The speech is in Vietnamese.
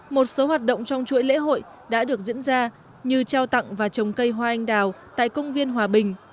một số hoạt động trong chuỗi lễ hội đã được diễn ra như trao tặng và trồng cây hoa anh đào tại công viên hòa bình